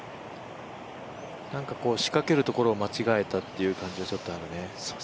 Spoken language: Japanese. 仕掛けるところを間違えたという感じがちょっとあるね。